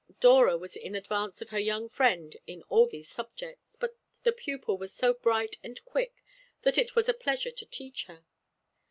Dora was in advance of her young friend in all these subjects; but the pupil was so bright and quick that it was a pleasure to teach her.